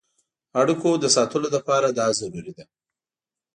اړیکو د ساتلو لپاره دا ضروري ده.